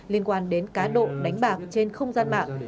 liên quan đến cá độ đánh bạc trên không gian mạng